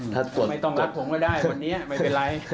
ถ้าไม่ต้องรับผมก็ได้วันนี้ไม่เป็นไร